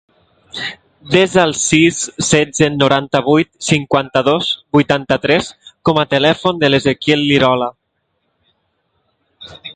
Desa el sis, setze, noranta-vuit, cinquanta-dos, vuitanta-tres com a telèfon de l'Ezequiel Lirola.